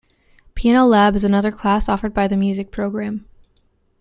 Piano Lab is another class offered by the music program.